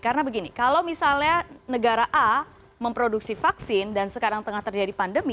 karena begini kalau misalnya negara a memproduksi vaksin dan sekarang tengah terjadi pandemi